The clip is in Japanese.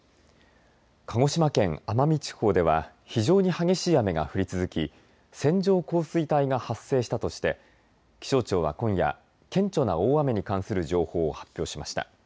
鹿児島県奄美地方では非常に激しい雨が降り続き線状降水帯が発生したとして気象庁は今夜顕著な大雨に関する情報を発表しました。